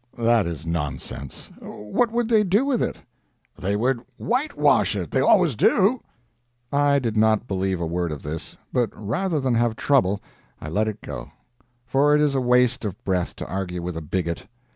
"That is nonsense. What would they do with it?" "They would whitewash it. They always do." I did not believe a word of this, but rather than have trouble I let it go; for it is a waste of breath to argue with a bigot.